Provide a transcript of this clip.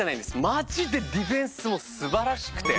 マジでディフェンスも素晴らしくて。